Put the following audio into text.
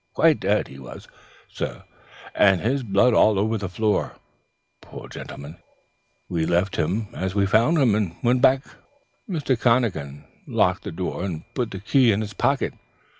Quite dead, he was, sir, and his blood all on the floor, poor gentleman. We left him as we found him, and went back. "Mr. McConachan locked the door and put the key in his pocket.